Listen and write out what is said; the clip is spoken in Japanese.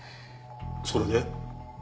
それで？